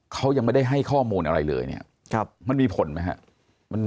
เขายังไม่ได้ให้ข้อมูลอะไรเลยเนี่ยมันมีผลไหมครับ